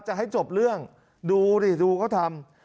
จะให้จบเรื่องดูดิดูเขาทำ